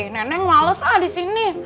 nenek malesa disini